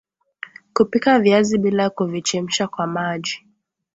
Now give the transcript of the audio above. Kupika viazi bila kuvichemsha kwa maji